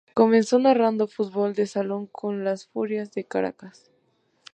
Comenzó narrando fútbol de Salón con la furias de Caracas.